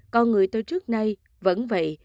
con người tôi trước nay vẫn vậy